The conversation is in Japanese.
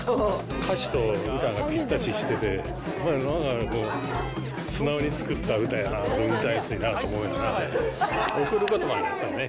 歌詞と歌がぴったししてて、なんか、素直に作った歌やな、歌いやすいなと思いますね。